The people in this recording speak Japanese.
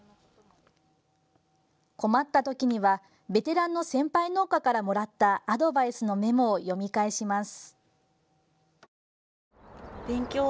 困った時にはベテランの先輩農家からもらったアドバイスのメモを読み返します。